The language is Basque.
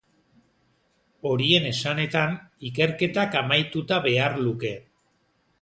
Horien esanetan, ikerketak amaituta behar luke.